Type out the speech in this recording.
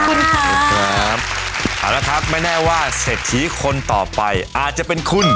เอาละครับไม่แน่ว่าเศรษฐีคนต่อไปอาจจะเป็นคุณ